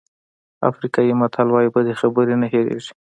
افریقایي متل وایي بدې خبرې نه هېرېږي.